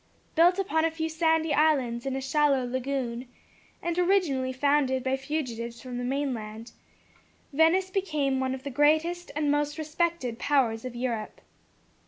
Built upon a few sandy islands in a shallow lagoon, and originally founded by fugitives from the mainland, Venice became one of the greatest and most respected powers of Europe.